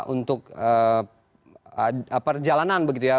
untuk perjalanan begitu ya